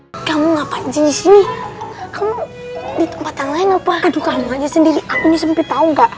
hai kamu ngapain sih kamu ditempat tangan apa aduh kamu aja sendiri aku sampai tahu enggak